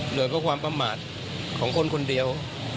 เหลือก็ความประมาทของคนคนเดียว